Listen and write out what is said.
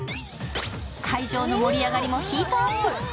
会場の盛り上がりもヒートアップ！